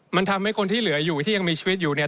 มันทำให้คนที่เหลืออยู่ที่ยังมีชีวิตอยู่เนี่ย